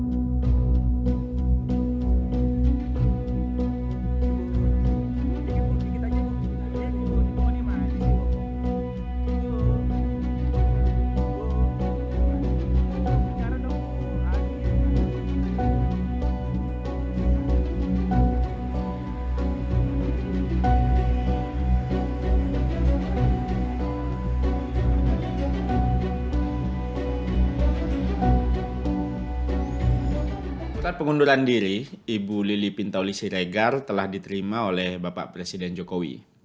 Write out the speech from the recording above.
ketat pengunduran diri ibu lili pintoli siregar telah diterima oleh bapak presiden jokowi